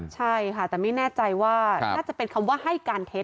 ใช่ค่ะแต่ไม่แน่ใจว่าน่าจะเป็นคำว่าให้การเท็จ